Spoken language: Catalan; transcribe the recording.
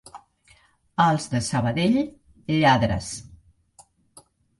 Els de Sabadell, lladres.